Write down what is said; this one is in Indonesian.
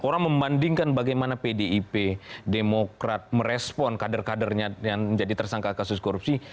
orang membandingkan bagaimana pdip demokrat merespon kader kadernya yang menjadi tersangka kasus korupsi